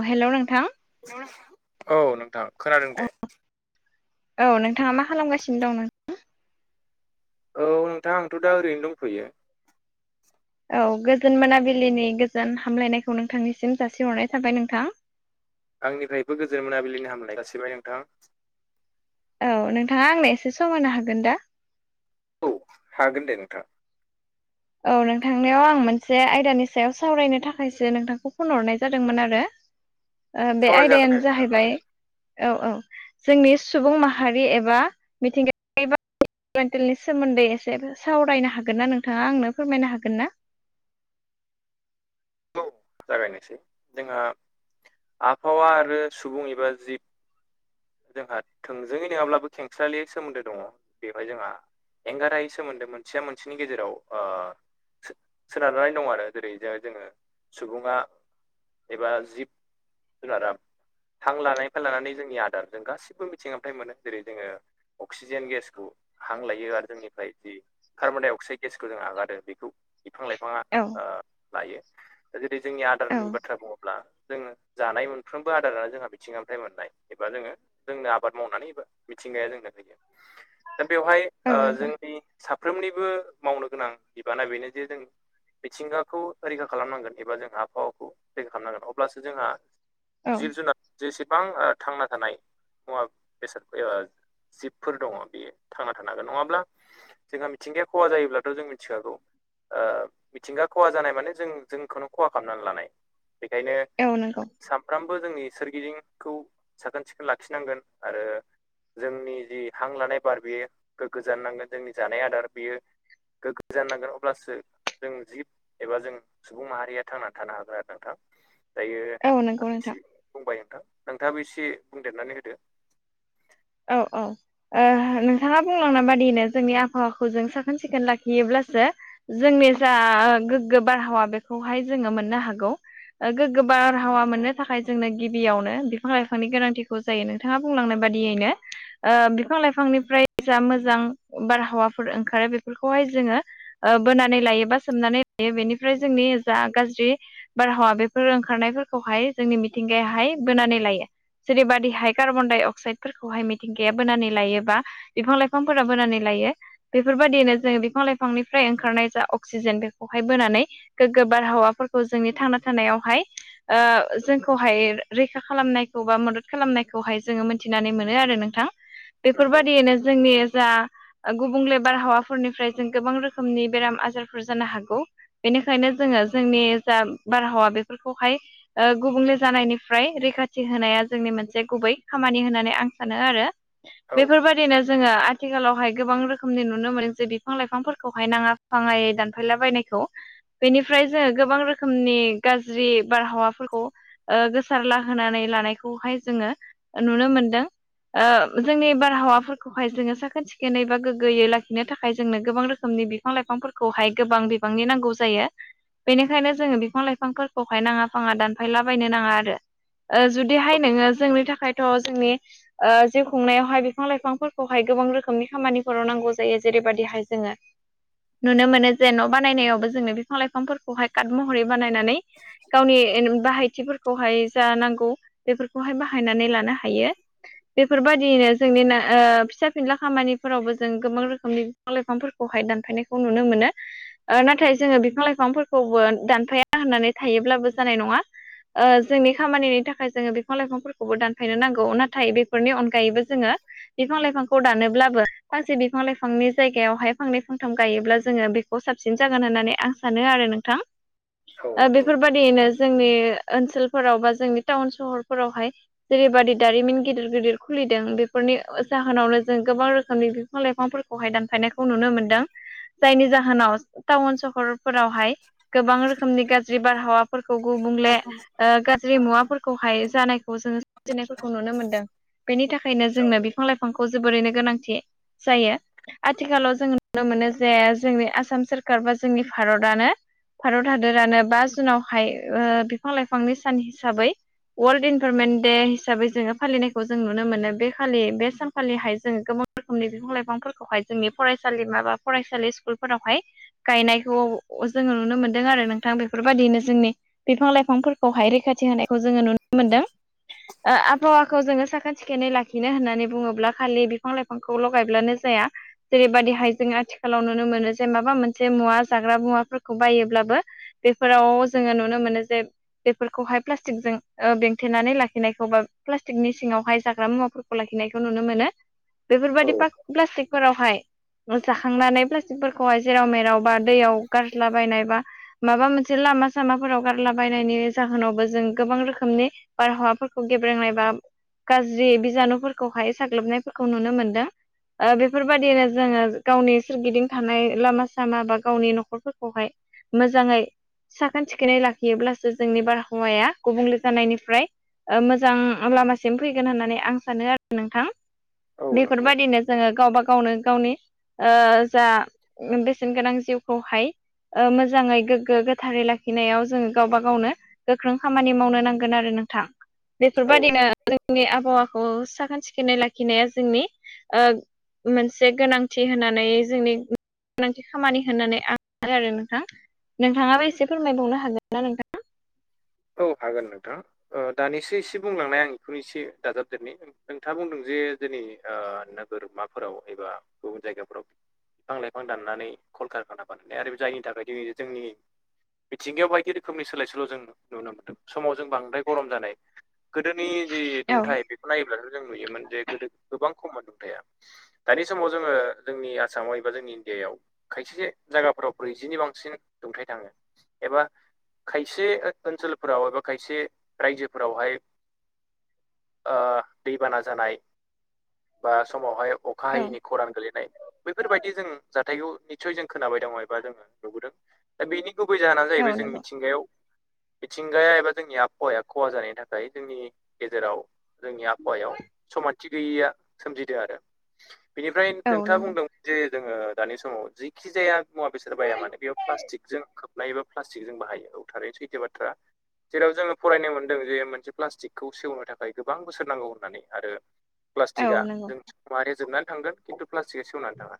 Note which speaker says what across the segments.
Speaker 1: अ हेल' नोंथां।
Speaker 2: [inaudible] औ नोंथां खोनादों दे।
Speaker 1: औ नोंथाङा मा खालामगासिनो दं नों
Speaker 2: औ नोंथां आंथ' दा ओरैनो दंथ'यो
Speaker 1: औ गोजोन मोनाबिलिनि गोजोन हामलायनायखौ नोंथांनिसिम जासिहरनाय थाबाय नोंथां।
Speaker 2: आंनिफ्रायबो गोजोन मोनाबिलिनि हामलायनाय जासिबाय नोंथां।
Speaker 1: औ नोंथाङा आंनो एसे सम होनो हागोन दा?
Speaker 2: औ हागोन दे नोंथां।
Speaker 1: औ नोंथांनियाव आं मोनसे आयदानि सायाव सावरायनो थाखायसो नोंथांखौ फन हरनाय जादोंमोन आरो। ओ बे
Speaker 2: सावरायजागोन दे
Speaker 1: आयदायानो
Speaker 2: नोंथां
Speaker 1: जाहैबाय औ औ जोंनि सुबुं माहारि एबा मिथिंगा मेन्टेलनि सोमोन्दै एसे सावरायनो हागोन ना नोंथाङा आंनो फोरमायनो हागोन ना?
Speaker 2: औ जागायनोसै जोंहा आबहावा आरो सुबुं एबा जिब जोंहा थोंजोङै नोङाब्लाबो खेंसालियै सोमोन्दो दङ' बेवहाय जोंहा एंगारहायै सोमोन्दो मोनसेया मोनसेनि गेजेराव ओ सो सोनारनानै दं आरो जेरै जो-जोङो सुबुङा एबा जिब-जुनारा हां लानायनिफ्राय लानानै जोंनि आदारजों गासिबो मिथिंफ्राय मोनो जेरै जोङो अक्सिजेन गेसखौ हां लायो आरो जोंनिफ्राय जि कार्बन-डाइ-अक्साइड गेसखौ जों आगारो बेखौ बिफां-लाइफाङा
Speaker 1: औ
Speaker 2: ओ लायो। जेरै जोंनि
Speaker 1: औ
Speaker 2: आदारनि बाथ्रा बुङोब्ला जोङो जानाय मोनफ्रोमबो आदारानो जोंहा मिथिंगानिफ्राय मोननाय एबा जोङो जोंनो आबाद मावनानैबो मिथिंगाया जोंनो होयो दा बेवहाय
Speaker 1: औ नंगौ
Speaker 2: जोंनि साफ्रोमनिबो मावनो गोनां बिबाना बेनो जे जों मिथिंगाखौ रैखा खालामनांगोन एबा जों आबहावाखौ रैखा खालामनांगोन अब्लासो जोंहा
Speaker 1: औ
Speaker 2: जिब- जुनार जेसेबां ओ थांना थानाय मुवा- बेसाद ओ जिबफोर दङ' बियो थांना थानो हागोन नङाब्ला जोंहा मिथिंगाया खहा जायोब्लाथ' जों मिथिखागौ ओ मिथिंगा खहा जानाय माने जों जोंखौनो खहा खालामनानै लानाय बेखायनो
Speaker 1: औ‌ नंगौ।
Speaker 2: सामफ्रामबो जोंनि सोरगिदिंखौ साखोन-सिखोन लाखिनांगोन आरो जोंनि जि हां लानाय बार बेयो गोग्गो जानो नांगोन जोंनि जानाय आदार बेयो गोग्गो जानांगोन अब्लासो जों जिब एबा जों सुबुं माहारिया थांनानै थानो हागोन आरो नोंथां दायो
Speaker 1: औ नंगौ नोंथां
Speaker 2: [unintelligible] बुंबाय नोंथां नोंथाङाबो एसे बुंदेरनानै होदो।
Speaker 1: औ औ। ओ नोंथाङा बुंलांनाय बादियैनो जोंनि आबहावाखौ जों साखोन- सिखोन लाखियोब्लासो जोंनि जा ओ गोग्गो बारहावा बेखौहाय जोङो मोननो हागौ। ओ गोग्गो बारहावा मोननो थाखाय जोंनो गिबियावनो बिफां-लाइफांनि गोनांथिखौ जायो नोंथाङा बुंलांनाय बादियैनो ओ बिफां-लाइफांनिफ्राय जा मोजां बारहावाफोर ओंखारो बेफोरखौहाय जोङो बोनानै लायो बा सोबनानै लायो बेनिफ्राय जोंनि जा गाज्रि बारहावा बेफोर ओंखारनायफोरखौहाय जोंनि मिथिंगायाहाय बोनानै लायो जेरैबायदिहाय कार्बनडाइ अक्साइडफोर खौहाय मिथिंगाया बोनानै लायो बा बिफां लाइफांफोरा बोनानै लायो बेफोरबायदियैनो जोङो बिफां लाइफांनिफ्राय ओंखारनाय जा अक्सिजेन बेखौहाय बोनानै गोग्गो बारहावाफोरखौ जोंनि थांना थानायावहाय ओ जोंखौहाय रैखा खालामनायखौ बा मदद खालामनायखौहाय जोङो मोनथिनानै मो नो आरो नोंथां
Speaker 2: नंगौ
Speaker 1: बेफोरबायदियैनो जोंनि जा गुबुंले बारहावाफोरनिफ्राय जों गोबां रोखोमनि बेराम आजारफोर जानो हागौ बेनिखायनो जोङो जोंनि जा बारहावा बेफोरखौहाय ओ गुबुंले जानायनिफ्राय रैखाथि होनाया जोंनि मोनसे गुबै खामानि होननानै आं सानो आरो
Speaker 2: औ नंगौ
Speaker 1: बेफोरबायदिनो जोङो आ थिखालावहाय गोबां रोखोमनि नुनो मोनो जे बिफां लाइफांफोरखौहाय नाङा फाङायै दानफायलाबायनायखौ बेनिफ्राय जोङो गोबां रोखोमनि गाज्रि बारहावाफोरखौ ओ गोसारला होनानै लानायखौहाय जोङो नुनो मोनदों ओ जोंनि बारहावाफोरखौहाय जोङो साखोन सिखोनै एबा गोगोयै लाखिनो थाखाय जोंनो गोबां रोखोमनि बि फां लाइफांफोरखौहाय गोबां बिबांनि नांगौ जायो बेनिखायनो जोङो बिफां लाइफांफोरखौहाय नाङा फाङा दानफायलाबायनो नाङा आरो ओ जुदिहाय नोङो जोंनि थाखायथ जोंनि ओ जिउ खुंनायावहाय बिफां लाइफांफोरखौहाय गोबां रोखोमनि खामानिफोराव नांगौ जायो जेरैबायदिहाय जोङो नुनो मोनो जे न' बानायनायावबो जोंनो बिफां लाइफांफोरखौहाय काट महरै बानायनानै गावनि बाहायथिफोरखौहाय जा नांगौ बेफोरखौहाय बाहायनानै लानो हायो बेफोरबायदियैनो जोंनि ओ फिसा फिनला खामानिफोरावबो जों गोबां रोखोमनि बिफां लाइफांफोरखौहाय दानफायनायखौ नुनो मोनो ओ नाथाय जोङो बिफां लाइफांफोरखौबो दानफाया होननानै थायोब्लाबो जानाय नङा ओ जोंनि खामानिनि थाखाय जोङो बिफां लाइफांफोरखौबो दानफायनो नांगौ नाथाय बे फोरनि अनगायैबो जोङो बिफां लाइफांखौ दानोब्लाबो फांसे बिफां लाइफांनि जायगायावहाय फांनै फांथाम गायोब्ला जोङो बे खौ साबसिन जागोन होननानै आं सानो आरो नोंथां
Speaker 2: औ
Speaker 1: दा
Speaker 2: नंगौ
Speaker 1: बेफोरबायदियैनो जोंनि ओनसोलफोराव बा जोंनि टाउन सहरफोरावहाय जेरैबादि दारिमिन गिदिर गिदिर खुलिदों बेफोरनि जाहोनावनो जों गोबां रोखोमनि बिफां लाइफांफोरखौहाय दानफायनायखौ नुनो मोनदों जायनि जाहोनाव टाउन सहरफोरावहाय गोबां रोखोमनि गाज्रि बारहावा फोरखौ गुबुंले ओ गाज्रि मुवाफोरखौहाय जानायखौ जोङो जानायफोरखौ नुनो मोनदों बेनि थाखायनो जोंनो
Speaker 2: औ
Speaker 1: बिफां लाइफांखौ जोबोरैनो गोनांथि जायो आथिखालाव जों नुनो मोनो जे जोंनि आसाम सोरखार बा जोंनि भारतआनो भारत हादोरानो बा जुनावहाय ओ बिफां लाइफांनि सान हिसाबै वाल्ड इनभारनमेन्ट दे हिसाबै जोङो फालिनाय खौ जों नुनो मोनो बे खालि बे सानखालिहाय जों गोबां रोखोमनि बिफां लाइफांफोरखौहाय जोंनि फरायसालिमा बा फरायसालि स्कुलफोरावहाय गायनायखौ जोङो नुनो मोनदों आरो नोंथां बेफोरबायदिनो जोंनि बिफां लाइफांफोरखौहाय रै खाथि होनायखौ जोङो नुनो मोनदों आबहावाखौ जोङो साखोन सिखोनै लाखिनो होननानै बुङोब्ला खालि बिफां लाइफांखौ गायब्लानो जाया जेरैबादिहाय जों आथिखालाव नुनो मोनो जे माबा मोनसे मुवा जाग्रा मुवाफोरखौ बायोब्लाबो बेफोराव जोङो नुनो मोनो जे बेफोरखौहाय प्लास्टिकजों ओ बेंथेनानै लाखिनायखौ बा प्लास्टिकनि सिङाव हाय जाग्रा मुवाफोरखौ लाखिनायखौ नुनो मोनो बेफोरबायदि पाक प्लास्टिकफोरावहाय जाखांनानै प्लास्टिकफोरखौहाय जेराव मेराव बा दैयाव गारज्लाबायनाय बा माबा मोनसे लामा सामाफोराव गारलाबायनायनि जाहोनावबो जों गोबां रोखोमनि बारहावाफोरखौ गेब्रेंनाय बा गाज्रि बिजानुफोरखौहाय साग्लोबनायफोरखौ नुनो मोनदों ओ बेफोरबादिनो जोङो गावनि सोरगिदिं थानाय लामा सामा बा गावनि न'खरफोरखौहाय मोजाङै साखोन सिखोनै लाखियोब्लासो जोंनि बारहावाया गुबुंले जानायनिफ्राय ओ मोजां लामासिम फैगोन होननानै आं सानो आरो नोंथां
Speaker 2: औ नंगौ
Speaker 1: बेफोरबायदिनो जोङो गावबा गावनो गावनि ओ जा बेसेन गोनां जिउखौहाय ओ मोजाङै गोग्गो गोथारै लाखिनायाव जोङो गावबा गावनो। गोख्रों खामानि मावनो नांगोन आरो नोंथां
Speaker 2: औ
Speaker 1: बेफोरबादिनो। जोंनि आबहावाखौ साखोन सिखोनै लाखिनाया जोंनि ओ मोनसे गोनांथि होनानै जोंनि गोनांथि खामानि होननानै आं सानो आरो नोंथां नोंथाङाबो एसे फोरमायबावनो हागोन ना नोंथां?
Speaker 2: औ हागोन नोंथां ओ दानिसो एसे बुंलांनाय आं बेखौनो एसे दाजाबदेरनि नोंथाङा बुंदों जे जोंनि ओ नोगोरमाफोराव एबा गुबुन जायगाफोराव बिफां लाइफां दाननानै कलकारखाना बानायनाय आरो जायनि थाखाय दिनै जोंनि मिथिंगायाव बायदि रोखोमनि सोलाय सोल'जों नुनो मोन्दों। समाव जों बांद्राय गरम जानाय गोदोनि जि
Speaker 1: औ
Speaker 2: दुंथाइ बेखौ नायोब्लाथ' जों नुयोमोन जे गोदो गोबां खममोन दुंथाया। दानि समाव जोङो जोंनि आसामाव एबा जोंनि इण्डियायाव खायसे जायगाफोराव ब्रैजिनि बांसिन दुंथाय थाङो एबा खायसे ओनसोलफोराव एबा खायसे रायजोफोरावहाय ओ दैबाना जानाय बा समावहाय अखा हायैनि खरान गोलैनाय। बैफोरबायदि जों जाथायखौ निस्सय जों खोनाबाय दङ' एबा जोङो। नुबोदों दा बेनि गुबै जाहोना
Speaker 1: औ
Speaker 2: जाहैबाय जों
Speaker 1: नंगौ
Speaker 2: मिथिंगायाव मिथिंगाया एबा जोंनि आबहावाया ख'हा जानायनि थाखाय जोंनि गेजेराव जोंनि आबहावायाव समानथि गैयिया सोमजिदो आरो बेनिफ्राय
Speaker 1: औ
Speaker 2: नोंथाङा
Speaker 1: नंगौ
Speaker 2: बुंदों जे जोङो दानि समाव जेखि जाया मुवा-बेसाद बाया मानो बेयाव प्लास्टिक जों खोब नाय बा प्लास्टिकजों बाहायो औ थारैनो सैथो बाथ
Speaker 1: [inaudible]
Speaker 2: जेराव जोङो फरायनो मोनदों जे मोनसे प्लास्टिकखौ सेवनो थाखाय गोबां बोसोर नांगौ होननानै आरो
Speaker 1: औ
Speaker 2: प्लास्टिकआ
Speaker 1: नंगौ
Speaker 2: जों मारै जोबनानै थांगोन। खिन्थु प्लास्टिकआ सेवनानै थाङा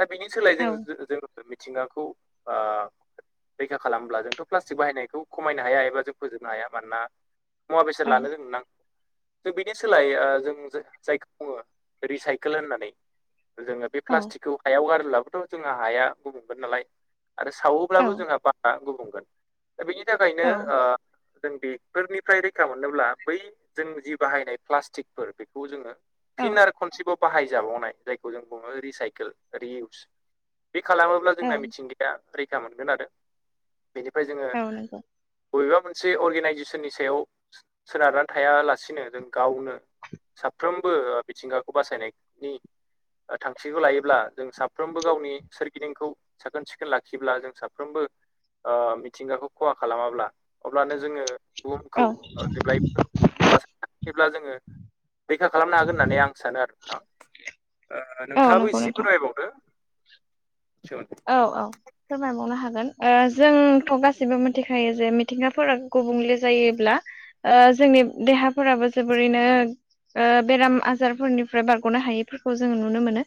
Speaker 2: दा बिनि सोलाय
Speaker 1: औ
Speaker 2: जों जोङो मिथिंगाखौ ओ रैखा खालामब्ला जोंथ' प्लास्टिक बाहायनायखौ खमायनो हाया एबा जों फोजोबनो हाया मानोना मुवा बेसाद
Speaker 1: औ
Speaker 2: लानो जोंनो नां जों बेनि सोलायै ओ जों जो जायखौ बुङो रिसाइकोल होननानै जोङो बे प्लास्टिकखौ हायाव गारोब्लाबोथ' जोंहा हाया गुबुंगोन नालाय आरो सावोब्लाबो जोंहा बा बे आ गुबुंगोन दा बेनि
Speaker 1: औ
Speaker 2: थाखायनो ओ जों बेफोरनिफ्राय रैखा मोननोब्ला बै जों जि बाहायनाय प्लास्टिकफोर बेखौ जोङो फिन आरो खनसेबाव बाहायजाबावनाय जायखौ जों बुङो। रिसाइकेल रिइउस बे खालामो अब्ला
Speaker 1: औ
Speaker 2: जोंना
Speaker 1: औ
Speaker 2: मिथिंगाया रैखा मोनगोन आरो बेनिफ्राय जोङो
Speaker 1: औ नंगौ
Speaker 2: बबेबा मोनसे अरगेनाइजेसननि सायाव सोनारनानै थायालासिनो जों गावनो साफ्रोमबो ओ मिथिंगाखौ बासायनायनि ओ थांखिखौ लायोब्ला जों साफ्रोमबो गावनि सोरगिदिंखौ साखोन-सिखोन लाखिब्ला जों साफ्रोमबो ओ मिथिंगाखौ ख'हा खालामाब्ला अब्लानो जोङो
Speaker 1: औ
Speaker 2: बुहुमखौ ओ जेब्लायबो ब्ला जोङो रैखा खालामनो हागोन होननानै आं सानो आरो नोंथां
Speaker 1: औ
Speaker 2: नोंथाङाबो
Speaker 1: नंगौ
Speaker 2: एसे
Speaker 1: नोंथां
Speaker 2: फोरमायबावदो सो
Speaker 1: औ औ फोरमायबावनो हागोन ओ जोंथ' गासिबो मोनथिखायो जे मिथिंगाफोरा गुबुंले जायोब्ला ओ जोंनि देहाफोराबो जोबोरैनो ओ बेराम-आजारफोरनिफ्राय बारग'नो हायैफोरखौ जों नुनो मोनो।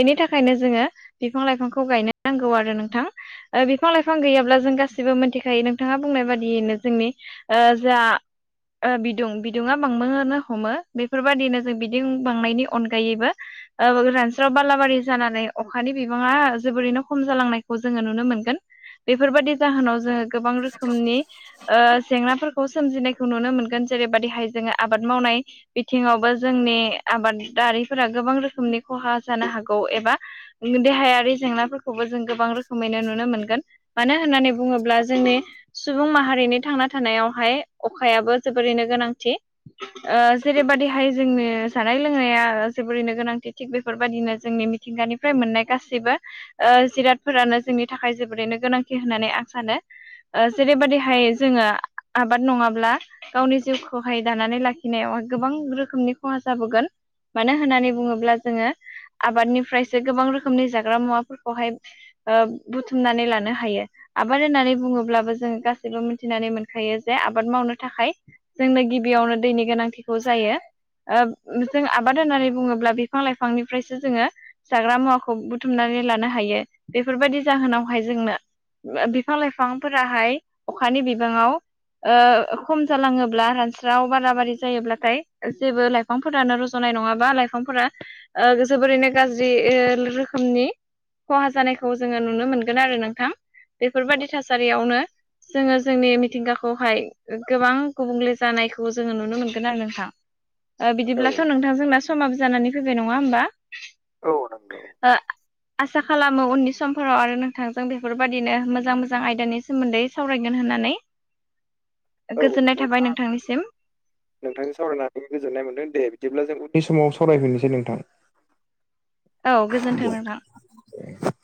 Speaker 1: बेनि थाखायनो जोङो बिफां-लाइफांखौ गायनो नांगौ आरो नोंथां। ओ बिफां-लाइफां गैयाब्ला जों गासिबो मोनथिखायो नोंथाङा बुंनाय बादियैनो जोंनि ओ जा ओ बिदुं बिदुङा बांबोनो हमो बेफोरबायदिनो जों बिदिं बांनायनि अनगायैबो ओ रानस्राव बालाबारि जानानै अखानि बिबाङा जोबोरैनो खम जालांनायखौ जोङो नुनो मोनगोन बेफोरबायदि जाहोनाव जोङो गोबां रोखोमनि ओ जेंनाफोरखौ सोमजिनायखौ नुनो मोनगोन जेरैबायदिहाय जोङो आबाद मावनाय बिथिङावबो जोंनि आबादारिफोरा गोबां रोखोमनि ख'हा जानो हागौ एबा देहायारि जेंनाफोरखौबो जों गोबां रोखोमैनो नुनो मोनगोन। मानो होननानै बुङोब्ला जोंनि सुबुं माहारिनि थांना थानायावहाय अखायाबो जोबोरैनो गोनांथि। ओ जेरैबायदिहाय जोंनो जानाय लोंनाया जोबोरैनो गोनांथि थिग बेफोरबायदिनो जोंनि मिथिंगानिफ्राय मोननाय गासैबो ओ जिरादफोरानो जोंनि थाखाय जोबोरैनो गोनांथि होननानै आं सानो। ओ जेरैबायदिहाय जोङो आबाद नङाब्ला गावनि जिउखौहाय दानानै लाखिनायाव गोबां रोखोमनि खहा जाबोगोन। मानो होननानै बुङोब्ला जोङो आबादनिफ्रायसो गोबां रोखोमनि जाग्रा मुवाफोरखौहाय ओ बुथुमनानै लानो हायो। आबाद होननानै बुङोब्लाबो जोङो गासैबो मिथिनानै मोनखायो जे आबाद मावनो थाखाय जोंनो गिबियावनो दैनि गोनांथिखौ जायो। ओ जों आबाद होननानै बुङोब्ला बिफां लाइफांनिफ्रायसो जोङो जाग्रा मुवाखौ बुथुमनानै लानो हायो बेफोरबायदि जाहोनावहाय जोंनो बिफां लाइफांफोराहाय अखानि बिबाङाव ओ खम जालाङोब्ला रानस्राव बारा बारि जायोब्लाथाय जेबो लाइफ लाइफांफोरानो रज'नाय नङाबा लाइफांफोरा ओ जोबोरैनो गाज्रि रोखोमनि खहा जानायखौ जोङो नुनो मोनगोन आरो नोंथां बेफोरबायदि थासारियावनो जोङो जोंनि मिथिंगाखौहाय गोबां गुबुंले जानायखौ जोङो नुनो मोनगोन आरो नोंथां। ओ बिदिब्लाथ' नोंथां जोंना समाबो जानानै फैबाय नङा होमबा?
Speaker 2: औ नोंगौ
Speaker 1: ओ आसा खालामो उननि समफोराव आरो नोंथांजों बेफोरबायदिनो मोजां मोजां आयदानि सोमोन्दै सावरायगोन होननानै
Speaker 2: औ
Speaker 1: गोजोननाय थाबाय
Speaker 2: नोंथां
Speaker 1: नोंथांनिसिम
Speaker 2: नोंथांजों सावरायनानै गोजोन्नाय मोनदों दे बिदिब्ला जों उननि समाव सावरायफिनोसै नोंथां।
Speaker 1: औ गोजोन्थों नोंथां।
Speaker 2: [inaudible]